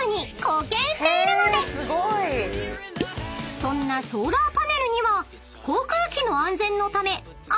［そんなソーラーパネルには］